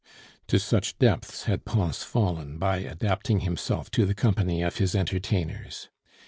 To such depths had Pons fallen by adapting himself to the company of his entertainers!